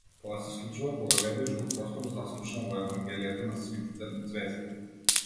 Тоа се случува кога лебдиш во простор заслушан во евангелијата на свитите ѕвезди.